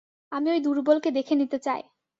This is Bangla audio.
আমি ঐ দুর্বলকে দেখে নিতে চাই।